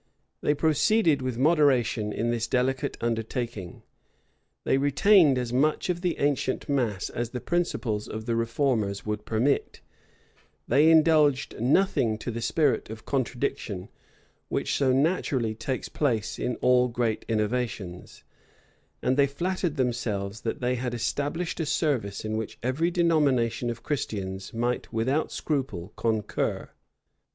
They proceeded with moderation in this delicate undertaking; they retained as much of the ancient mass as the principles of the reformers would permit: they indulged nothing to the spirit of contradiction, which so naturally takes place in all great innovations: and they flattered themselves, that they had established a service in which every denomination of Christians might without scruple concur.